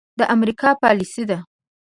د امريکا پاليسي ده.